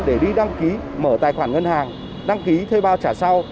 để đi đăng ký mở tài khoản ngân hàng đăng ký thuê bao trả sau